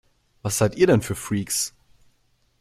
Was seid ihr denn für Freaks?